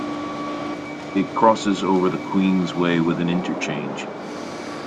It crosses over the Queensway with an interchange.